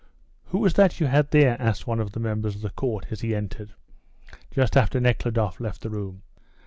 "Who was that you had here?" asked one of the members of the Court, as he entered, just after Nekhludoff left the room.